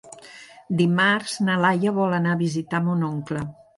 Dimarts na Laia vol anar a visitar mon oncle.